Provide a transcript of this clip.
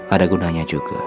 ada gunanya juga